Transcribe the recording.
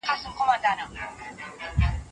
اوس په مدعا يمه زه